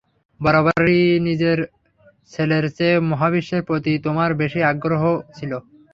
বরাবরই নিজের ছেলের চেয়ে মহাবিশ্বের প্রতি তোমার বেশি আগ্রহ ছিল।